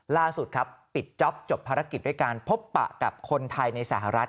ล่าสุดครับปิดจ๊อปจบภารกิจด้วยการพบปะกับคนไทยในสหรัฐ